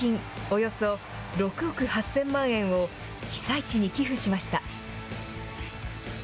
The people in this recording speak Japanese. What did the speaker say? およそ６億８０００万円を、被災地に寄付しました。